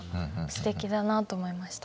すてきだなと思いました。